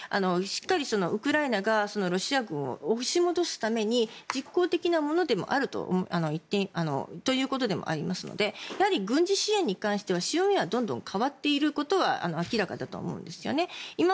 しっかりウクライナがロシア軍を押し戻すために実効的なものであるということもありますので軍事支援に関しては、潮目はどんどん変わっていることは明らかだと思うんですよね。